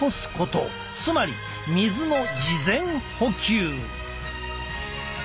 つまり水の事前補給。